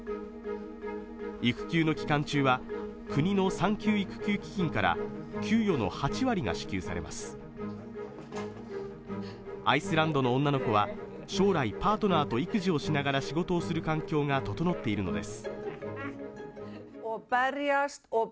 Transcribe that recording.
育休の期間中は国の産休育休基金から給与の８割が支給されますアイスランドの女の子は将来パートナーと育児をしながら仕事をする環境が整っているのです